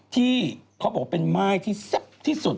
ที่เขาบอกเป็นไม้ที่แซ่บที่สุด